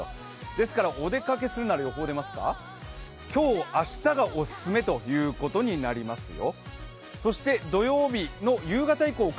ですからお出かけするなら今日、明日がお勧めということになりますよ。